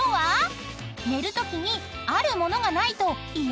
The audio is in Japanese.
［寝るときにあるものがないと嫌なんだって］